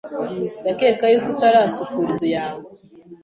Ndakeka yuko utarasukura inzu yawe.